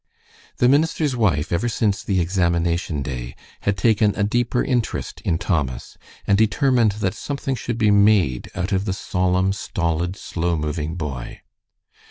The minister's wife, ever since the examination day, had taken a deeper interest in Thomas, and determined that something should be made out of the solemn, stolid, slow moving boy.